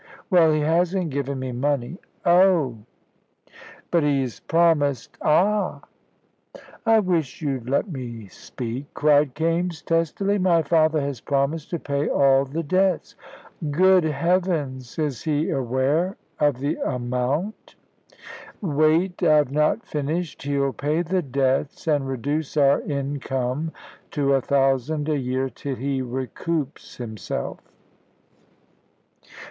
"Well, he hasn't given me money " "Oh!" "But he's promised "Ah!" "I wish you'd let me speak," cried Kaimes, testily, "My father has promised to pay all the debts " "Good heavens! Is he aware of the amount?" "Wait, I've not finished. He'll pay the debts, and reduce our income to a thousand a year till he recoups himself."